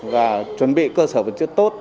và chuẩn bị cơ sở vật chất tốt